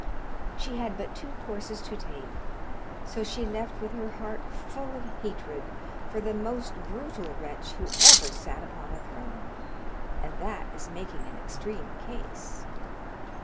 She had but two courses to take, so she left with her heart full of hatred for the most brutal wretch who ever sat upon a throne and that is making an extreme case.